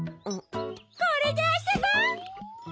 これであそぼう！